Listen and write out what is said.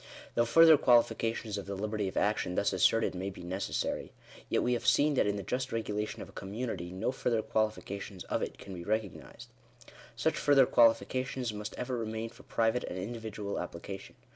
Though • further qualifications of the liberty of action thus asserted may be necessary, yet we have seen (p. 89) that in the just regu lation of a community no further qualifications of it can be recognised. Such further qualifications must ever remain for private and individual application.